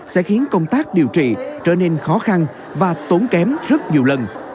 sẽ khiến công tác điều trị trở nên khó khăn và tốn kém rất nhiều lần